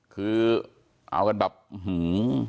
คือเอากันแบบหือ